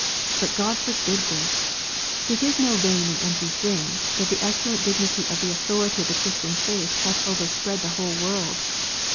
But God forbid this ! It is no vain and empty thing, that the excellent dignity of the authority of the Christian Faith hath overspread the whole world p.